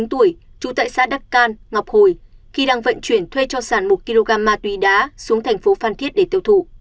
trú tại xã đắc can ngọc hồi khi đang vận chuyển thuê cho sản một kg ma túy đá xuống thành phố phan thiết để tiêu thụ